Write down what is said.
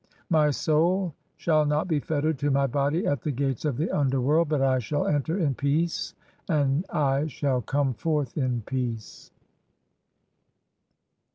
"(g) My soul shall not be fettered to my body at the gates of "the underworld ; but I shall enter in peace and I shall come "forth in peace."